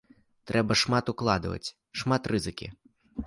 Трэба шмат укладаць, шмат рызыкі.